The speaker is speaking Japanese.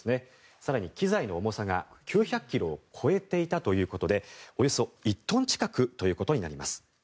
更に機材の重さが９００ｋｇを超えていたということでおよそ１トン近くということになります。